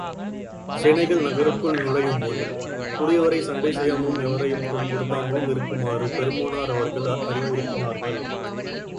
சேனைகள் நகருக்குள் நுழையுமுன், கூடியவரை சண்டை செய்யாமலும் எவரையும் துன்புறுத்தாமலும் இருக்குமாறு பெருமானார் அவர்கள் அறிவுறுத்தினார்கள்.